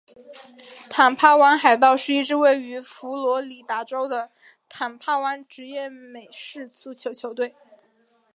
坦帕湾海盗是一支位于佛罗里达州的坦帕湾职业美式足球球队。